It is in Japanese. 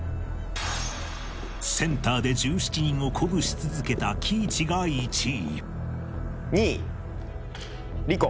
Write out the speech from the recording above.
センターで１７人を鼓舞し続けた貴市が１位２位リコ。